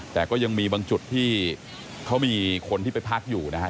แต่ก็ยังมีบางจุดที่เขามีคนที่ไปพักอยู่นะฮะ